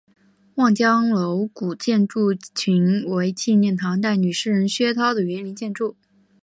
望江楼古建筑群为纪念唐代女诗人薛涛的园林建筑。